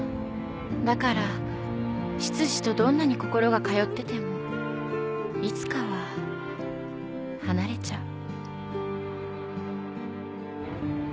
だから執事とどんなに心が通っててもいつかは離れちゃう。